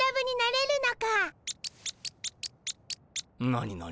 何何？